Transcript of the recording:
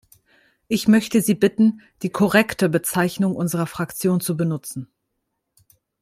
Ich möchte Sie bitten, die korrekte Bezeichnung unserer Fraktion zu benutzen.